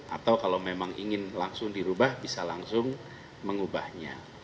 atau kalau memang ingin langsung dirubah bisa langsung mengubahnya